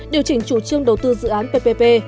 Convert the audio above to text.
điều chỉnh chủ trương đầu tư dự án ppp